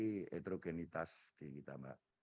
kita memiliki keterogenitas di kita mbak